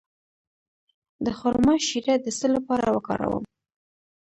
د خرما شیره د څه لپاره وکاروم؟